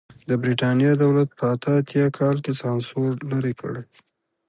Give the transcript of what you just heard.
د برېټانیا دولت په اته اتیا کال کې سانسور لرې کړ.